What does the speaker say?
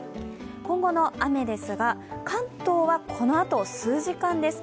今後の雨ですが、関東はこのあと数時間です